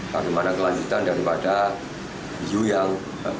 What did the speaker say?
bagaimana kelanjutan daripada isu yang